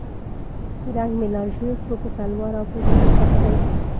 رنګ مې لا ژیړ شو په تلوار او په ډېرې سختۍ.